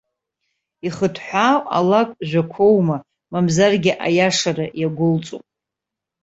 Ихыҭҳәаау лакә ажәақәоума, мамзаргьы аиашара иагәылҵу?